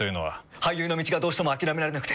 俳優の道がどうしても諦められなくて。